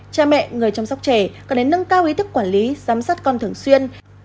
cha mẹ người chăm sóc trẻ cần đến nâng cao ý thức quản lý giám sát con thường xuyên